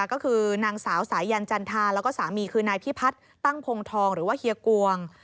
ก็คือนางสาวสายันจันทาแล้วก็สามีคือนายพิพัฒน์ตั้งพงทองหรือว่าเฮียกวง